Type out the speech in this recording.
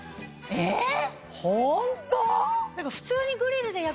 えっ！